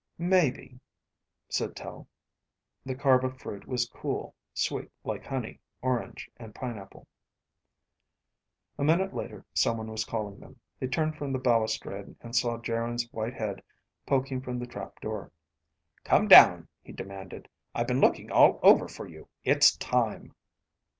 "Maybe," said Tel. The kharba fruit was cool, sweet like honey, orange, and pineapple. A minute later someone was calling them. They turned from the balustrade and saw Geryn's white head poking from the trap door. "Come down," he demanded. "I've been looking all over for you. It's time."